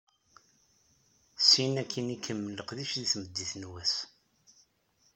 Syin akkin ikemmel leqdic deg tmeddit n wass.